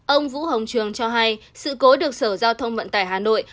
ông vũ hồng trường cho hay sự cố được sở giao thông vận tải hà nội